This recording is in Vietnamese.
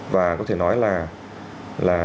và có thể nói là